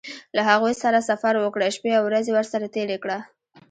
له هغوی سره سفر وکړه شپې او ورځې ورسره تېرې کړه.